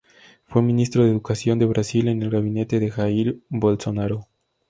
Fue Ministro de Educación de Brasil en el gabinete de Jair Bolsonaro.